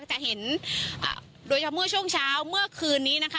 จะเห็นโดยเฉพาะเมื่อช่วงเช้าเมื่อคืนนี้นะคะ